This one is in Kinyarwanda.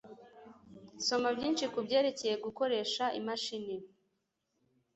Soma byinshi kubyerekeye gukoresha imashini